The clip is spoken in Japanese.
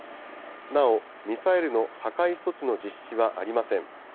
なお、ミサイルの破壊措置の実施はありません。